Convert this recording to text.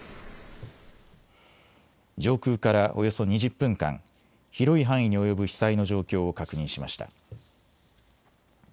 上空からおよそ２０分間、広い範囲に及ぶ被災の状況を確認しました。